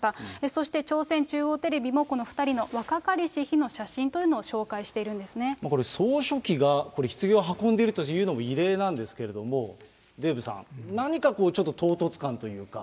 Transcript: そして朝鮮中央テレビもこの２人の若かりし日の写真というのを紹これ、総書記が、これ、ひつぎを運んでるというのも異例なんですけれども、デーブさん、何かこう、ちょっと唐突感というか。